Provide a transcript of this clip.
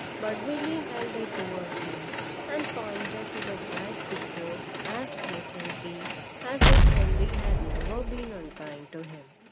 But Willy held it towards him and pointed to the bright pictures as pleasantly as if Henry had never been unkind to him.